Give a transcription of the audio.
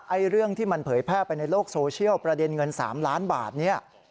เรื่องที่มันเผยแพร่ไปในโลกโซเชียลประเด็นเงิน๓ล้านบาทเนี่ย